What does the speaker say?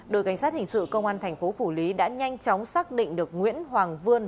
đội cảnh sát hình sự công an thành phố phủ lý đã nhanh chóng xác định được nguyễn hoàng vương